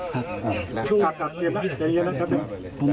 ข้างหน้าลงข้างหน้าลง